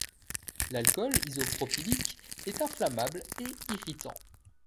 L'alcool isopropylique est inflammable et irritant.